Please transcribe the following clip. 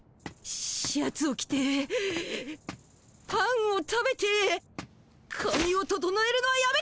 シャツを着てパンを食べてかみを整えるのはやめたまえ！